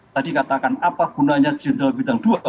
tadi katakan apa gunanya jenderal bintang dua